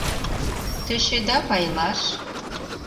Тӧчеда пайлаш?